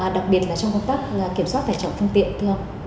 đặc biệt là trong công tác kiểm soát tài trọng phương tiện thường